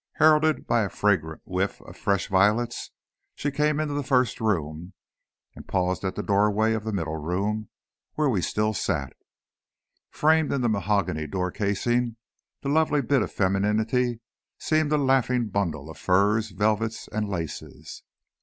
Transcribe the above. Heralded by a fragrant whiff of fresh violets, she came into the first room, and paused at the doorway of the middle room, where we still sat. Framed in the mahogany door casing, the lovely bit of femininity seemed a laughing bundle of furs, velvets, and laces.